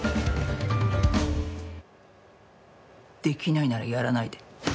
できないならやらないで。